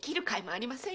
知りません。